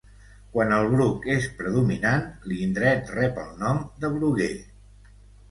Quan el bruc és predominant l'indret rep el nom de bruguer